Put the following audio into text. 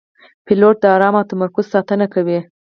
پیلوټ د آرام او تمرکز ساتنه کوي.